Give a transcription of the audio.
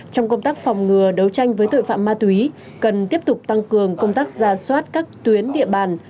trong công tác phòng ngừa đấu tranh với tội phạm ma túy cần tiếp tục tăng cường công tác ra soát các tuyến địa bàn